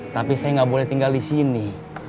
tapi saya gak boleh tinggal disini